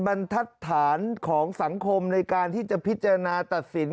บรรทัศนของสังคมในการที่จะพิจารณาตัดสิน